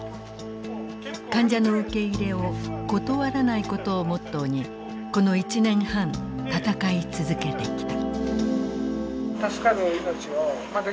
患者の受け入れを断らないことをモットーにこの１年半闘い続けてきた。